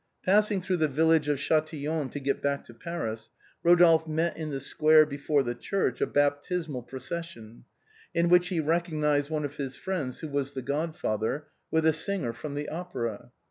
Passing through the village of Chatillon to get back to Paris, Eodolphe met in the square before the church a bap tismal procession, in which he recognized one of his friends who was the godfather, with a singer from the opera.